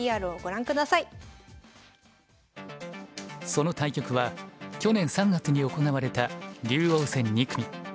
その対局は去年３月に行われた竜王戦２組。